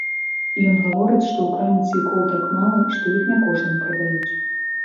Ён гаворыць, што ў краме цвікоў так мала, што іх не кожнаму прадаюць.